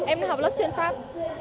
em học lớp chuyên pháp